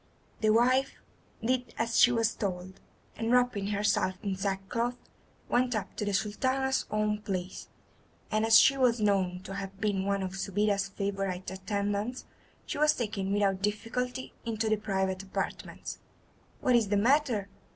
'" The wife did as she was told, and wrapping herself in sackcloth went up to the Sultana's own palace, and as she was known to have been one of Subida's favourite attendants, she was taken without difficulty into the private apartments. "What is the matter?"